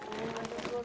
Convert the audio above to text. masuk masuk masuk